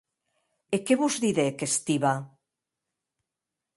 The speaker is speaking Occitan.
E qué vos didec Stiva?